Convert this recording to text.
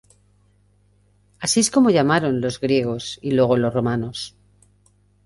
Así es como llamaron los griegos y luego los romanos.